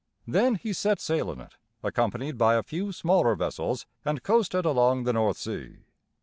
Then he set sail in it, accompanied by a few smaller vessels, and coasted along the North Sea.